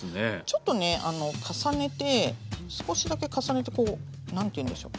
ちょっとね重ねて少しだけ重ねてこう何ていうんでしょ？